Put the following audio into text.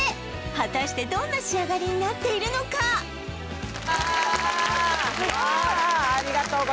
果たしてどんな仕上がりになっているのかうわ